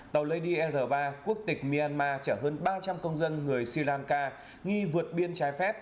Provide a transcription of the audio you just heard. tàu lady lr ba quốc tịch myanmar chở hơn ba trăm linh công dân người sri lanka nghi vượt biên trái phép